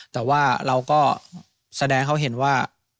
แต่ว่าเราก็แสดงให้เขาเห็นว่า